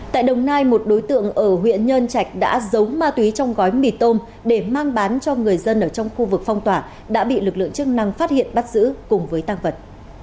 tại đồng nai một đối tượng ở huyện nhơn trạch đã giấu ma túy trong gói mì tôm để mang bán cho người dân ở trong khu vực phong tỏa đã bị lực lượng chức năng phát hiện bắt giữ cùng với tăng vật